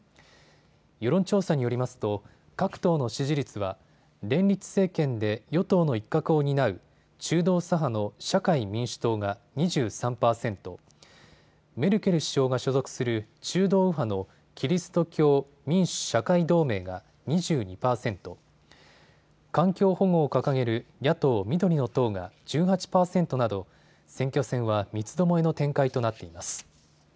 世論調査によりますと各党の支持率は連立政権で与党の一角を担う中道左派の社会民主党が２３％、メルケル首相が所属する中道右派のキリスト教民主・社会同盟が２２％、環境保護を掲げる野党緑の党が１８％など、選挙戦は三つどもえの展開となっています。